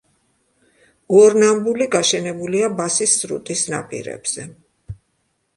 უორნამბული გაშენებულია ბასის სრუტის ნაპირებზე.